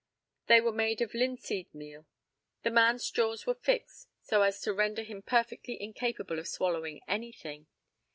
They were made of linseed meal. The man's jaws were fixed so as to render him perfectly incapable of swallowing anything.